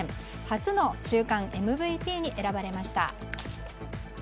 初の週間ＭＶＰに選ばれました。